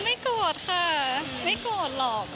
ไม่โกรธค่ะไม่โกรธหรอก